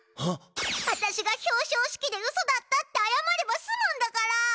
あたしが表しょう式でうそだったってあやまればすむんだから。